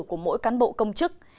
của mỗi cán bộ công chức